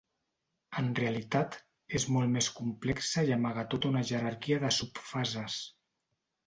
En realitat, és molt més complexa i amaga tota una jerarquia de subfases.